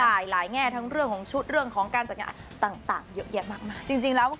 ใช่หลายแง่ทั้งเรื่องของชุดเรื่องของการจัดงานต่างเยอะแยะมากจริงแล้ว